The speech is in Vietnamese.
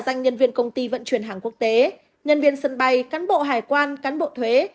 danh nhân viên công ty vận chuyển hàng quốc tế nhân viên sân bay cán bộ hải quan cán bộ thuế